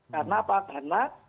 karena apa karena